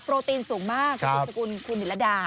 โปรตีนสูงมากคุณสกุลคุณหินรดา